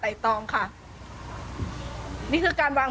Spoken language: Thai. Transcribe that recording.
ที่มันก็มีเรื่องที่ดิน